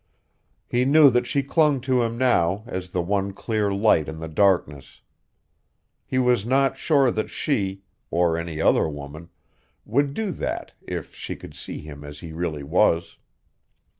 He knew that she clung to him now as the one clear light in the darkness. He was not sure that she (or any other woman) would do that if she could see him as he really was.